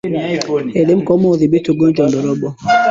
Elimu kwa umma hudhibiti ungojwa wa ndorobo